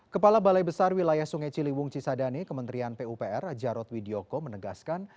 kepala balai besar wilayah sungai ciliwung cisadane kementerian pupr jarod widyoko menegaskan